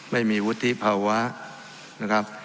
ไม่มีวุฒิภาวะนะครับ